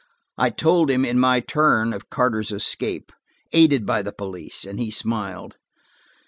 I told him, in my turn, of Carter's escape, aided by the police, and he smiled.